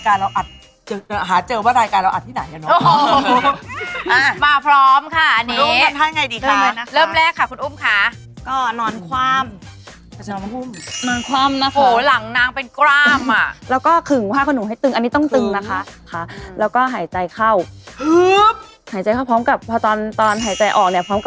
เอาเริ่มจากใครดีลูกพิษลูกพิษก่อนเลยมาเรียงตามลำดับอันของอุปกรณ์ด้วยอุปกรณ์คืออะไรคะ